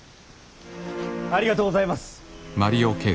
ありがとうございます。